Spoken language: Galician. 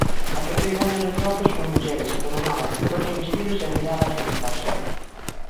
Atopei varios retratos con mulleres, pero nada, todos vestidos e miradas limpas.